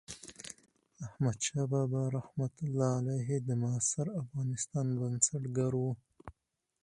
احمدشاه بابا رحمة الله علیه د معاصر افغانستان بنسټګر و.